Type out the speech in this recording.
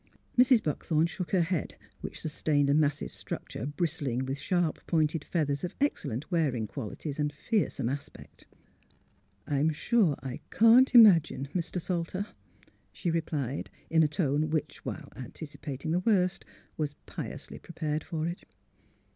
" Mrs. Buckthorn shook her head, which sustained a massive structure bristling with sharp pointed feathers of excellent wearing qualities and fear some aspect. ''I'm sure I can't imagine, Mr. Salter," she replied, in a tone which while anticipating the worst w^as piously prepared for it.